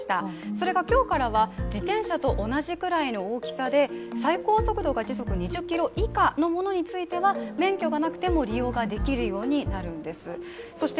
それが今日からは自転車と同じくらいの大きさで最高速度が時速２０キロ以下のものについては免許がなくても利用ができるようになるんですそして